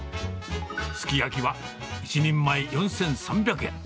すき焼きは、１人前４３００円。